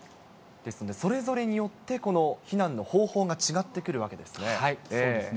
それぞれによって、避難の方法が違ってくるわけなんですね。